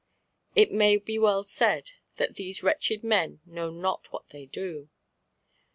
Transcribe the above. It may be well said, that these wretched men know not what they do.